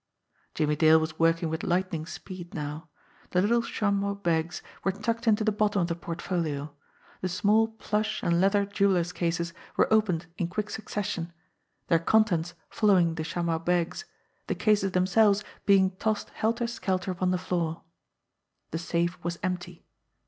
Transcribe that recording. Jimmie Dale was working with lightning speed now. The little chamois bags were tucked into the bottom of the port folio ; the small plush and leather jewellers' cases were opened 82 JIMMIE DALE AND THE PHANTOM CLUE in quick succession, their contents following the chamois bags, the cases themselves being tossed helter skelter upon the floor. The safe was empty.